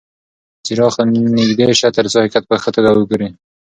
څراغ ته نږدې شه ترڅو حقیقت په ښه توګه وګورې.